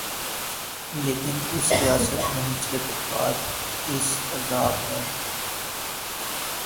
لیکن اس ریاست میں نچلے طبقات اس عذاب میں ہوں۔